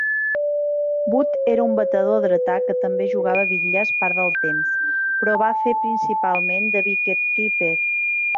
Wood era un batedor dretà que també jugaba a bitlles part del temps, però va fer principalment de wicketkeeper.